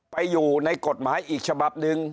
ไปอยู่ในกฎหมายอีกฉบับหนึ่ง